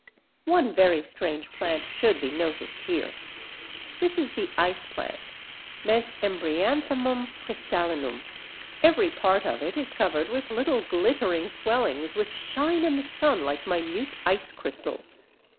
One very strange plant should be noticed here. This is the Iceplant (Mesembryanthemum cristallinum). Every part of it is covered with little glittering swellings which shine in the sun like minute ice crystals.